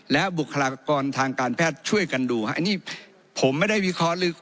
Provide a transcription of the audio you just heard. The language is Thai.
และบุคลากรทางการแพทย์ช่วยกันดูฮะอันนี้ผมไม่ได้วิเคราะห์ลึก